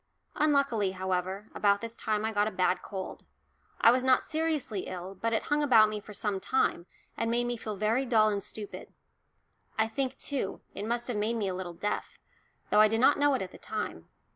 Unluckily, however, about this time I got a bad cold. I was not seriously ill, but it hung about me for some time and made me feel very dull and stupid. I think, too, it must have made me a little deaf, though I did not know it at the time.